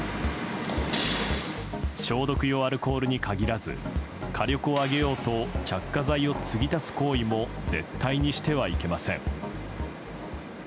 消毒用アルコールに限らず火力を上げようと着火剤を継ぎ足す行為も絶対にしてはいけません。